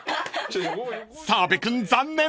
［澤部君残念！